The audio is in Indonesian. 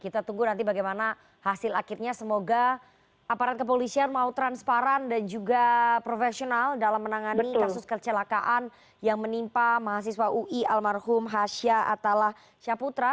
kita tunggu nanti bagaimana hasil akhirnya semoga aparat kepolisian mau transparan dan juga profesional dalam menangani kasus kecelakaan yang menimpa mahasiswa ui almarhum hasya atallah syaputra